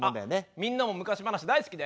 みんなも昔話大好きだよね！